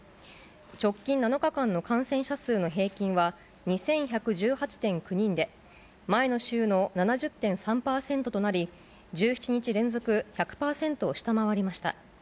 直近７日間の感染者数の平均は２１１８．９人で、前の週の７０．３％となり、１７日連続１００％を下回りました。